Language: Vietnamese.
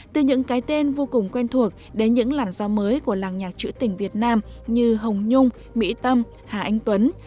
từ những cái tên vô cùng quen thuộc đến những làn do mới của làng nhạc trữ tình việt nam như hồng nhung mỹ tâm hà anh tuấn